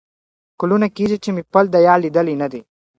کلونه کیږي چي مي پل د یار لیدلی نه دی ,